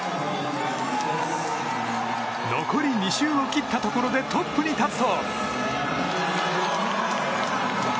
残り２周を切ったところでトップに立つと。